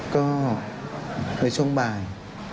ก็ในช่วงบ่าย